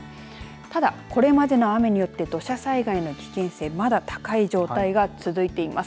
ただ、これまでの雨によって土砂災害の危険性まだ高い状態が続いています。